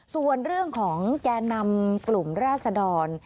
ส่วนเรื่องของแก่นำกลุ่มราศดร